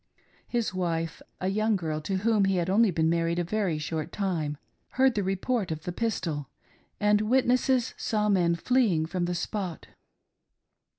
His wife, a young girl, to whom he had only been married a very short time, heard the report of the pistol, and witnesses saw men fleeing from the spot.